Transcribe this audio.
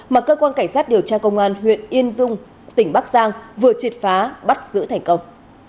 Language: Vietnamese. mà cơ quan cảnh sát điều tra công an huyện yên dung tỉnh bắc giang vừa triệt phá bắt giữ thành công